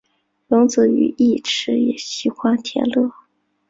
荣子与义持也喜欢田乐。